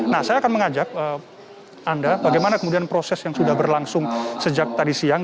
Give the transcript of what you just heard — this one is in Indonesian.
nah saya akan mengajak anda bagaimana kemudian proses yang sudah berlangsung sejak tadi siang